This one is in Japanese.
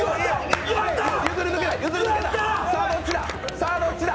さぁどっちだ。